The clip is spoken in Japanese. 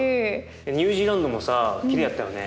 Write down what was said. ニュージーランドもさきれいやったよね。